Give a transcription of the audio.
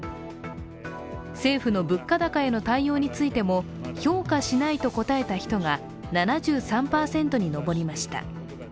政府の物価高への対応についても評価しないと答えた人が７３％に上りました。